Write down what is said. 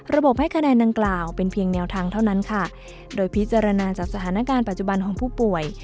ให้คะแนนดังกล่าวเป็นเพียงแนวทางเท่านั้นค่ะโดยพิจารณาจากสถานการณ์ปัจจุบันของผู้ป่วย